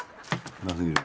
うますぎる。